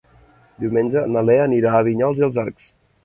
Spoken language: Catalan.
Diumenge na Lea anirà a Vinyols i els Arcs.